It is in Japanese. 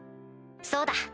そうだ。